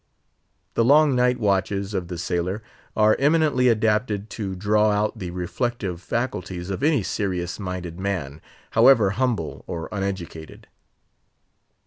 The long night watches of the sailor are eminently adapted to draw out the reflective faculties of any serious minded man, however humble or uneducated.